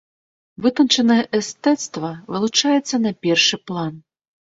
Вытанчанае эстэцтва вылучаецца на першы план.